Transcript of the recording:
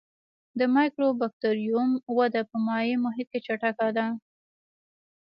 د مایکوبکټریوم وده په مایع محیط کې چټکه ده.